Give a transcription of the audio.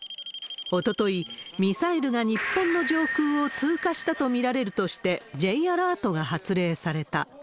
おととい、ミサイルが日本の上空を通過したと見られるとして、Ｊアラートが発令された。